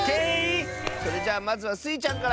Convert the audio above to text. それじゃあまずはスイちゃんから！